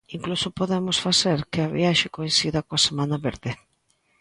Incluso podemos facer que a viaxe coincida coa Semana Verde.